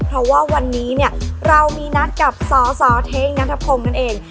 เพราะว่าวันนี้เนี่ยเรามีนัดกับสสเทคนัทพงศ์นั่นเอง